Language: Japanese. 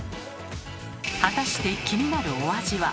果たして気になるお味は？